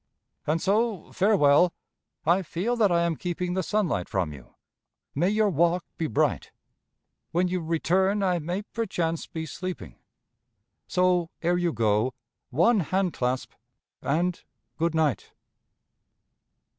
"And so farewell! I feel that I am keeping The sunlight from you; may your walk be bright! When you return I may perchance be sleeping, So, ere you go, one hand clasp and good night!"